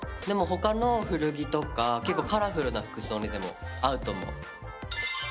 でも他の古着とか結構カラフルな服装にでも合うと思う。